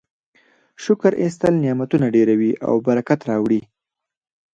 شکر ایستل نعمتونه ډیروي او برکت راوړي.